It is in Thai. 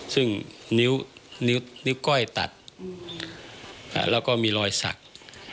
ซึ่งนิ้วก้อยตัดแล้วก็มีรอยสัก